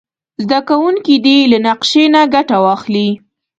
زده کوونکي دې له نقشې نه ګټه واخلي.